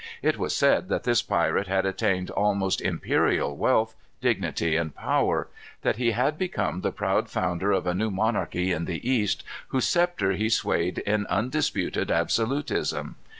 It was said that this pirate had attained almost imperial wealth, dignity, and power; that he had become the proud founder of a new monarchy in the East, whose sceptre he swayed in undisputed absolutism.